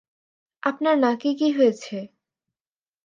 আপনার নাকে কি হয়েছে?